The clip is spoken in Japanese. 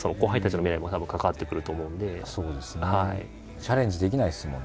チャレンジできないですもんね。